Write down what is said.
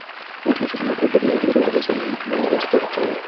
মৌসুমের সূচনায় অপ্রতিরোধ্য রিয়াল দ্বিতীয় ভাগে এসে নীল হয়েছে চোটের ছোবলে।